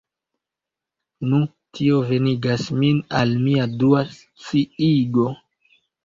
Nu, tio venigas min al mia dua sciigo.